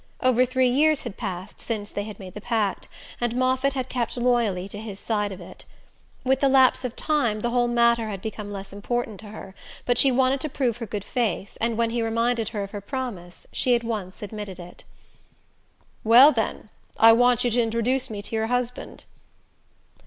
Over three years had passed since they had made the pact, and Moffatt had kept loyally to his side of it. With the lapse of time the whole matter had become less important to her, but she wanted to prove her good faith, and when he reminded her of her promise she at once admitted it. "Well, then I want you to introduce me to your husband."